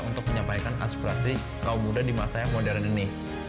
untuk menyampaikan aspirasi kaum muda di masa yang modern ini